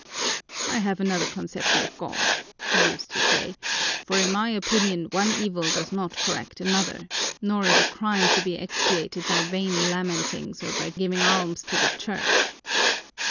I have another conception of God,' he used to say, 'for in my opinion one evil does not correct another, nor is a crime to be expiated by vain lamentings or by giving alms to the Church.